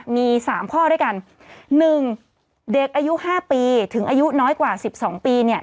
มี๓ข้อด้วยกัน๑เด็กอายุ๕ปีถึงอายุน้อยกว่า๑๒ปีเนี่ย